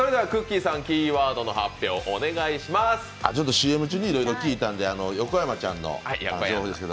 ＣＭ中にいろいろ聞いたんで、横山ちゃんの情報ですけど。